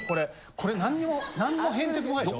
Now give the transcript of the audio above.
これ何にも何の変哲もないでしょ？